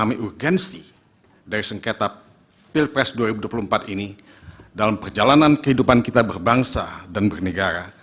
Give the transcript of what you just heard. kami urgensi dari sengketa pilpres dua ribu dua puluh empat ini dalam perjalanan kehidupan kita berbangsa dan bernegara